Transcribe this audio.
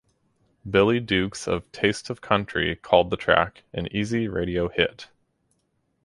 Billy Dukes of "Taste of Country" called the track an "easy radio hit".